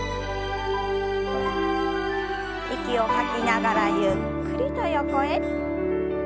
息を吐きながらゆっくりと横へ。